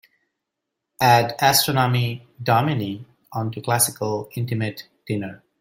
Add astronomy domine onto Classical Intimate Dinner.